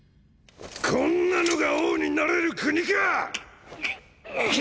こんなのが王になれる国か！